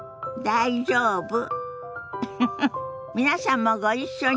「大丈夫？」。